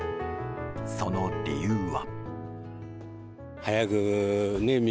その理由は。